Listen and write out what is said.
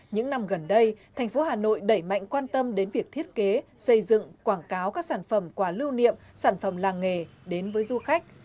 những năm gần đây thành phố hà nội đẩy mạnh quan tâm đến việc thiết kế xây dựng quảng cáo các sản phẩm quà lưu niệm sản phẩm làng nghề đến với du khách